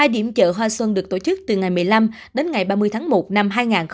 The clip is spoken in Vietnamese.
hai điểm chợ hoa xuân được tổ chức từ ngày một mươi năm đến ngày ba mươi tháng một năm hai nghìn hai mươi